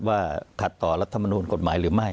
ว่าขัดต่อรัฐมนูลกฎหมายหรือไม่